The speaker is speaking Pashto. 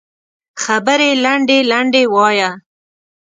خبرې لنډې لنډې وایه